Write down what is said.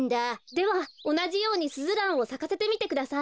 ではおなじようにスズランをさかせてみてください。